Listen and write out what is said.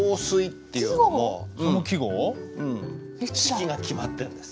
四季が決まってるんです。